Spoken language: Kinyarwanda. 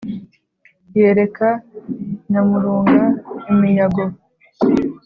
yereka nyamurunga iminyago.